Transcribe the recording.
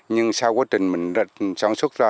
nhưng sau quá trình mình sản xuất ra